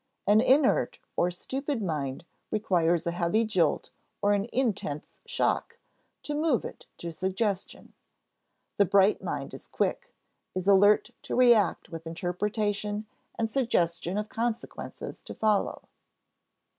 An inert or stupid mind requires a heavy jolt or an intense shock to move it to suggestion; the bright mind is quick, is alert to react with interpretation and suggestion of consequences to follow.